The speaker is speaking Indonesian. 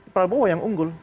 prabowo yang unggul